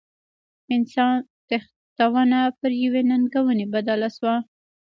انسان تښتونه پر یوې ننګونې بدله شوه.